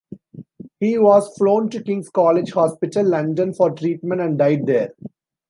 He was flown to King's College Hospital, London, for treatment and died there.